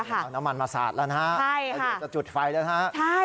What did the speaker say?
เอาน้ำมันมาสาดแล้วนะอายุจะจุดไฟแล้วนะ